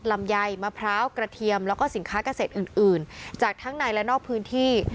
ลำไยมะพร้าวกระเทียมแล้วก็สินค้าเกษตรอื่นจากทั้งในและนอกพื้นที่